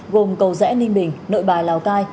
gồm cầu dẽ ninh bình nội bài lào cai